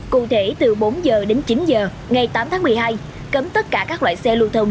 cụ thể từ bốn h đến chín giờ ngày tám tháng một mươi hai cấm tất cả các loại xe lưu thông